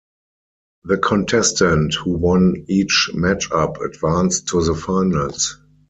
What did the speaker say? The contestant who won each matchup advanced to the finals.